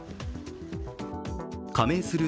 加盟する